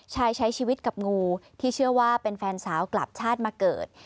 ใช้ชีวิตกับงูที่เชื่อว่าเป็นแฟนสาวกลับชาติมาเกิด